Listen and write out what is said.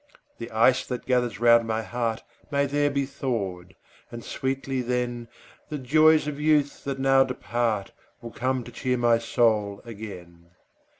The ice that gathers round my heart May there be thawed; and sweetly, then, The joys of youth, that now depart, Will come to cheer my soul again.